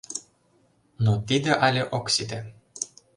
Но тиде але ок сите.